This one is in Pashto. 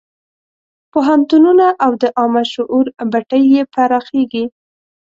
پوهنتونونه او د عامه شعور بټۍ یې پراخېږي.